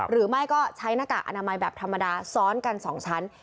หรือไม่ก็ใช้หน้ากากอนามัยแบบธรรมดาซ้อนกัน๒ชั้น